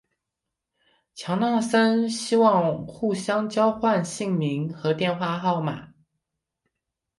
强纳森希望互相交换姓名和电话号码。